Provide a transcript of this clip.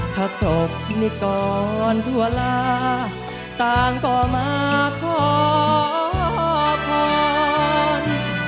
ข้าศพนิกรทุลาต่างก่อมาขอข้อน